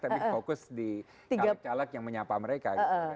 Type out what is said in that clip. tapi fokus di caleg caleg yang menyapa mereka